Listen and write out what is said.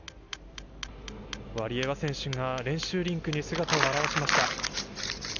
ワリエワ選手が練習リンクに姿を現しました。